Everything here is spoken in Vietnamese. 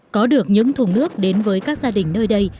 có được những thùng nước đến với các gia đình nơi đây